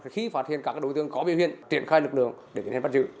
khi phát hiện các đối tượng có biểu hiện triển khai lực lượng để tiến hành bắt giữ